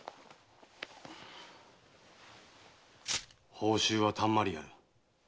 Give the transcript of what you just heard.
報酬はたんまりやる。